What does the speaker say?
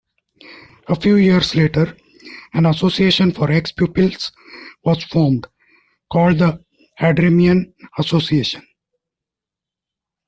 A few years later, an association for ex-pupils was formed, called the Adremian Association.